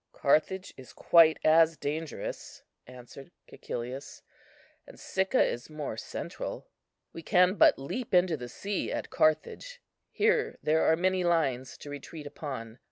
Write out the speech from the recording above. "Carthage is quite as dangerous," answered Cæcilius, "and Sicca is more central. We can but leap into the sea at Carthage; here there are many lines to retreat upon.